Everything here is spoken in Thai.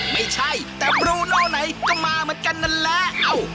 ไม่ใช่แต่บรูโนไหนก็มาเหมือนกันนั่นแหละ